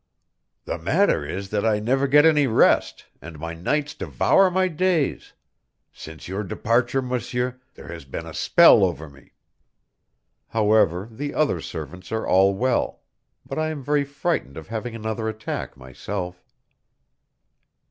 "The matter is that I never get any rest, and my nights devour my days. Since your departure, monsieur, there has been a spell over me." However, the other servants are all well, but I am very frightened of having another attack, myself.